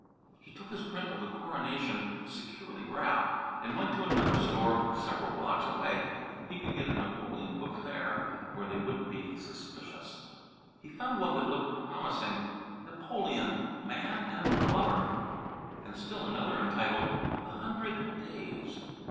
He took his print of the coronation, securely wrapped, and went to another store several blocks away. He could get a Napoleon book there, where they wouldn't be suspicious. He found one that looked promising, "Napoleon, Man and Lover," and still another entitled "The Hundred Days."